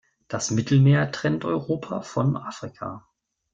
Das Mittelmeer trennt Europa von Afrika.